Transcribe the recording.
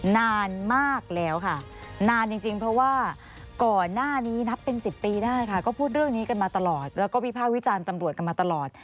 นานมากแล้วค่ะนานจริงเพราะว่าก่อนหน้านี้นับเป็น๑๐ปีได้ค่ะก็พูดเรื่องนี้กันมาตลอดแล้วก็วิภาควิจารณ์ตำรวจกันมาตลอด